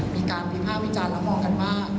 มีการวิภาควิจารณ์แล้วมองกันว่า